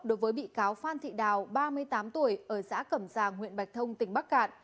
đối với bị cáo phan thị đào ba mươi tám tuổi ở xã cẩm giàng huyện bạch thông tỉnh bắc cạn